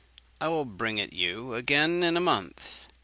I will bring it you again in a month.'